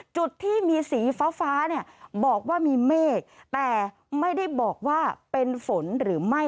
จุดที่มีสีฟ้าฟ้าเนี่ยบอกว่ามีเมฆแต่ไม่ได้บอกว่าเป็นฝนหรือไม่